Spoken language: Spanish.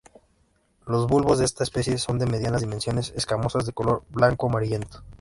Los bulbos de esta especie son de medianas dimensiones, escamosos, de color blanco-amarillento.